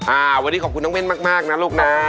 อ่าวันนี้ขอบคุณน้องเว่นมากนะลูกนะ